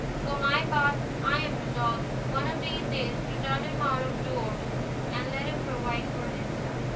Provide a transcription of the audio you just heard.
For my part, I am resolved, one of these days, to turn him out of doors, and let him provide for himself."